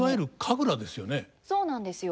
そうなんですよ。